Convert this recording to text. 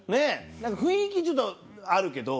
なんか雰囲気ちょっとあるけど。